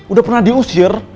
udah pernah diusir